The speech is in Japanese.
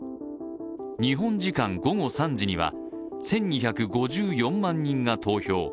日本時間午後３時には、１２５４万人が投票。